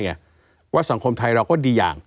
หรือว่าสังคมไทยเราก็ดีอย่าง